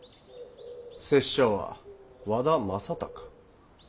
拙者は和田正隆。